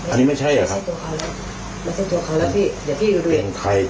อันนี้ไม่ใช่เหรอครับ